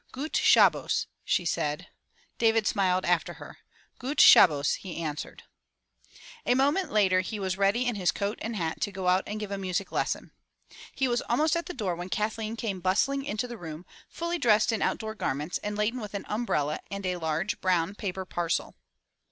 ''Gut Shahhos,'' she said. David smiled after her. ''Gut ShabbosF' he answered. A moment later he was ready in his coat and hat to go out and give a music lesson. He was almost at the door when Kathleen came bustling into the room, fully dressed in outdoor garments and laden with an umbrella and a large brown paper parcel.